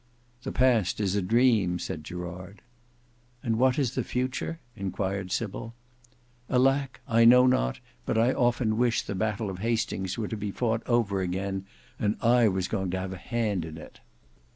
"The past is a dream," said Gerard. "And what is the future?" enquired Sybil. "Alack! I know not; but I often wish the battle of Hastings were to be fought over again and I was going to have a hand in it."